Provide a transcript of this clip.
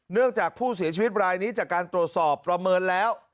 จากผู้เสียชีวิตรายนี้จากการตรวจสอบประเมินแล้ว